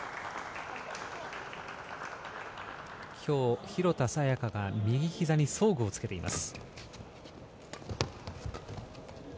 今日、廣田彩花が右ひざに装具をつけています。